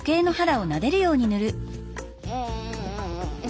うん。